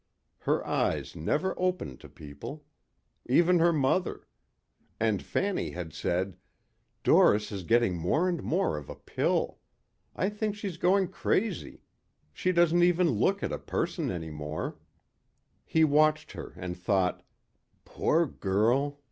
Her eyes never opened to people. Even her mother. And Fanny had said, "Doris is getting more and more of a pill. I think she's going crazy. She doesn't even look at a person anymore." He watched her and thought, "Poor girl.